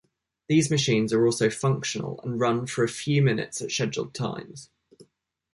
These machines are also functional and run for a few minutes at scheduled times.